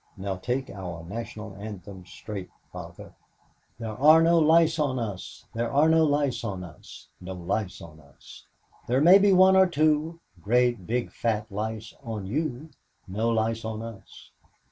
Now take our National Anthem straight, Father: "There are no lice on us, There are no lice on us, No lice on us. There may be one or two Great big fat lice on you, NO LICE ON US."